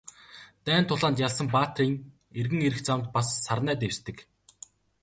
Дайн тулаанд ялсан баатрын эргэн ирэх замд бас сарнай дэвсдэг.